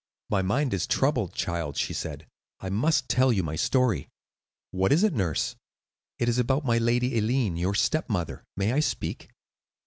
"My mind is troubled, child," she said; "I must tell you my story." "What is it, nurse?" "It is about my lady Eileen, your stepmother. May I speak?"